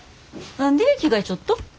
何で着替えちょっと？